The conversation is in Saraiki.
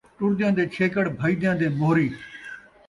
ٹردیاں دے چھیکڑ ، بھڄدیاں دے موہری